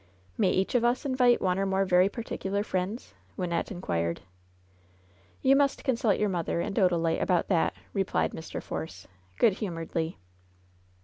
"May. each of us invite one or more very particular friends ?" Wynnette inquired. "You must consult your mother and Odalite about that," replied Mr. Force, good humoredly.